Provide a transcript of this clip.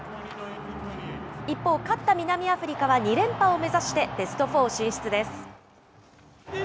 一方、勝った南アフリカは２連覇を目指してベストフォー進出です。